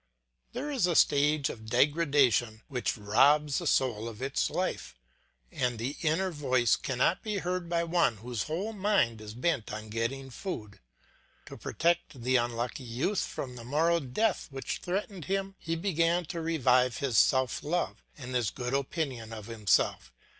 There is a stage of degradation which robs the soul of its life; and the inner voice cannot be heard by one whose whole mind is bent on getting food. To protect the unlucky youth from the moral death which threatened him, he began to revive his self love and his good opinion of himself.